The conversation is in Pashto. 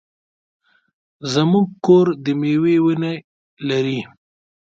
زمونږ کور د مېوې ونې لري.